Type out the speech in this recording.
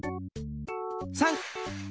３！